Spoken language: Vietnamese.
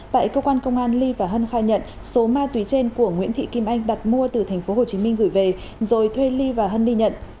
tại cơ quan công an ly và hân khai nhận số ma túy trên của nguyễn thị kim anh đặt mua từ tp hcm gửi về rồi thuê ly và hân đi nhận